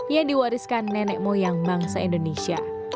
yang diwariskan nenek moyang bangsa indonesia